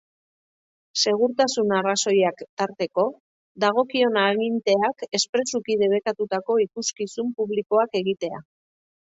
Segurtasun arrazoiak tarteko, dagokion aginteak espresuki debekatutako ikuskizun publikoak egitea.